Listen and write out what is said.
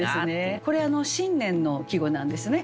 これ新年の季語なんですね。